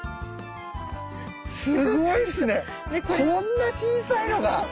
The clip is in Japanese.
すごいっすねこんな小さいのが。